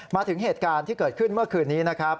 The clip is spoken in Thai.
มาถึงเหตุการณ์ที่เกิดขึ้นเมื่อคืนนี้นะครับ